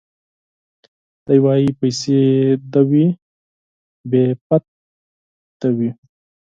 دی وايي پيسې دي وي بې پت دي وي